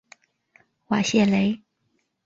瓦谢雷。